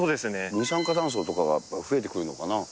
二酸化炭素とかがやっぱり増えてくるのかな。